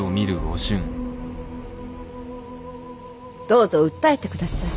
どうぞ訴えて下さい。